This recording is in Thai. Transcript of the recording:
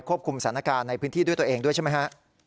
คุมสถานการณ์ในพื้นที่ด้วยตัวเองด้วยใช่ไหมฮะ